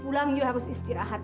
kamu pulang kamu harus istirahat